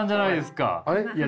いや